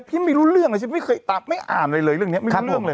ไม่รู้เรื่องเลยฉันไม่เคยไม่อ่านอะไรเลยเรื่องนี้ไม่รู้เรื่องเลย